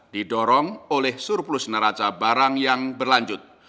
didorong oleh surplus neraca barang yang berlanjut